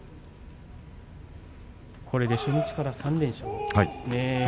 これで初日から３連勝ですね。